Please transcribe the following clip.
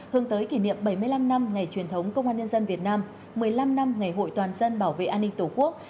hướng tới kỷ niệm bảy mươi năm năm ngày truyền thống công an nhân dân việt nam một mươi năm năm ngày hội toàn dân bảo vệ an ninh tổ quốc